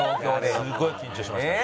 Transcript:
すごい緊張しました。